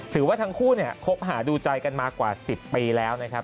ถือว่าทั้งคู่เนี่ยคบหาดูใจกันมากว่า๑๐ปีแล้วนะครับ